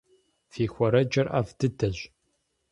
Фи хуэрэджэр ӏэфӏ дыдэщ.